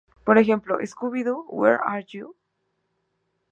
Por ejemplo: "Scooby-Doo, Where are You!".